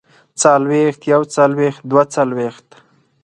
څلوېښت يوڅلوېښت دوه څلوېښت